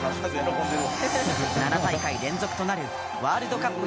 ７大会連続となるワールドカップ